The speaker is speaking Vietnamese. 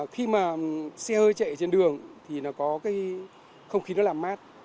khi mà xe hơi chạy trên đường thì nó có cái không khí nó làm mát